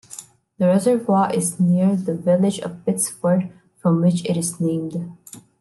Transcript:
The reservoir is near the village of Pitsford, from which it is named.